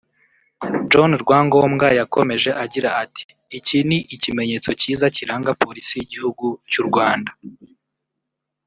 John Rwangombwa yakomeje agira ati “Iki ni ikimenyetso kiza kiranga Polisi y’Igihugu cy’u Rwanda